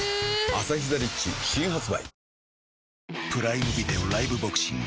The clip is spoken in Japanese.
「アサヒザ・リッチ」新発売